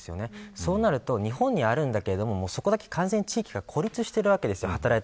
そうなると、日本にあるけどそこだけ地域が孤立しているわけです。